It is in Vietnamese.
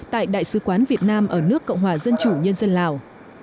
tại đại sứ quán việt nam ở nước cộng hòa dân chủ nhân dân lào